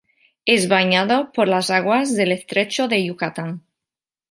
Es bañado por las aguas del estrecho de Yucatán.